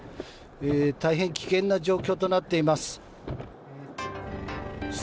大変危険な状況となっています。